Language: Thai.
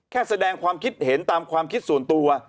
แสดงความคิดเห็นตามความคิดส่วนตัว